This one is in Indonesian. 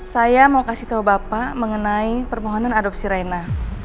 saya mau kasih tahu bapak mengenai permohonan adopsi raina